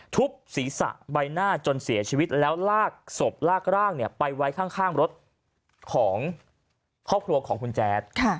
ทุบศีรษะใบหน้าจนเสียชีวิตแล้วลากศพลากร่างไปไว้ข้างรถของครอบครัวของคุณแจ๊ด